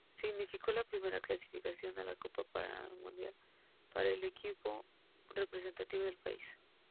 Significó la primera clasificación a la Copa Mundial para el equipo representativo del país.